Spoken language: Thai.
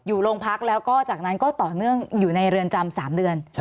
อยู่โรงพักแล้วก็จากนั้นก็ต่อเนื่องอยู่ในเรือนจำ๓เดือน